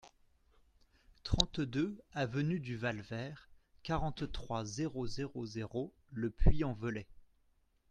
trente-deux avenue du Val Vert, quarante-trois, zéro zéro zéro, Le Puy-en-Velay